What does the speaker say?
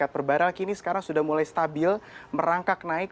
perbarahan kini sekarang sudah mulai stabil merangkak naik